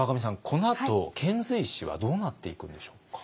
このあと遣隋使はどうなっていくんでしょうか。